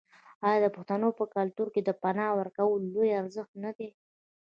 آیا د پښتنو په کلتور کې د پنا ورکول لوی ارزښت نه دی؟